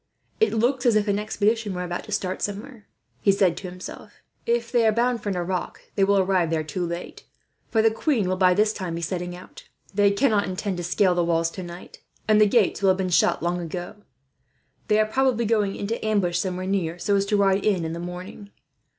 "That looks as if an expedition were about to start somewhere," he said. "If they are bound for Nerac, they will arrive there too late; for the queen will, by this time, be setting out. They cannot intend to scale the walls tonight, and the gates will have been shut long ago. They are probably going into ambush, somewhere near, so as to ride in in the morning.